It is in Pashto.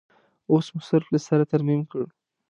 اوس مو صرف له سره ترمیم کړ.